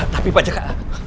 tapi pak jaka